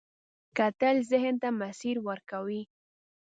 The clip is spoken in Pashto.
کتل ذهن ته مسیر ورکوي